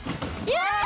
やった！